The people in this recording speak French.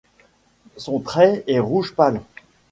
Son trait est rouge pâle.